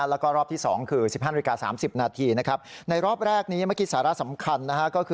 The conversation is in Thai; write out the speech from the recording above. แล้วก็รอบที่๒คือ๑๕นาฬิกา๓๐นาทีนะครับในรอบแรกนี้เมื่อกี้สาระสำคัญนะฮะก็คือ